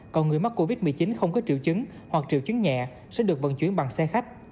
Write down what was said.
còn người mắc covid một mươi chín không có triệu chứng hoặc triệu chứng nhẹ sẽ được vận chuyển bằng xe khách